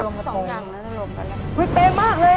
อุ๊ยเป็นมากเลย